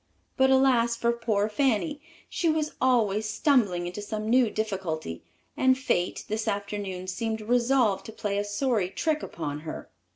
But alas for poor Fanny. She was always stumbling into some new difficulty, and fate, this afternoon, seemed resolved to play a sorry trick upon her.